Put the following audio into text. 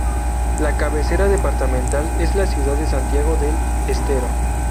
La cabecera departamental es la ciudad de Santiago del Estero.